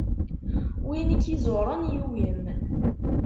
Win i k-iẓuren yugem.